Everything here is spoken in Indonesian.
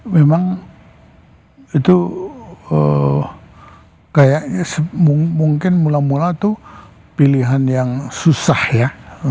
memang itu kayaknya mungkin mula mula itu pilihan yang susah ya